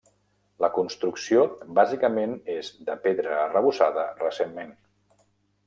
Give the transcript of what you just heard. La construcció bàsicament és de pedra arrebossada recentment.